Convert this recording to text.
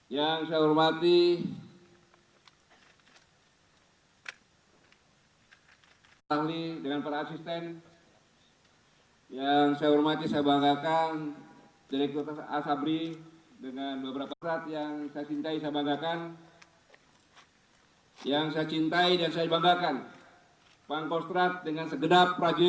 yang saya hormati dengan para asisten yang saya hormati saya banggakan direktur asabri dengan beberapa perat yang saya cintai saya banggakan yang saya cintai dan saya banggakan pak kostrat dengan segedap rajin